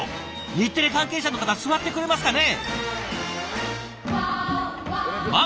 日テレ関係者の方座ってくれますかね？